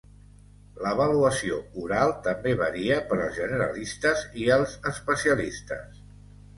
L'avaluació oral també varia per als generalistes i els especialistes.